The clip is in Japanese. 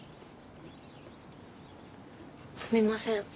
すみません